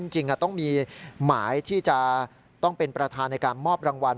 จริงต้องมีหมายที่จะต้องเป็นประธานในการมอบรางวัล